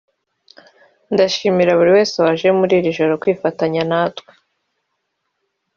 Ndashimira buri wese waje muri iri joro kwifatanya na twe